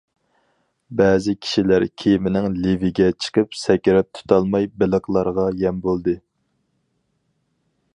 بەزى كىشىلەر كېمىنىڭ لېۋىگە چىقىپ سەكرەپ تۇتالماي بېلىقلارغا يەم بولدى.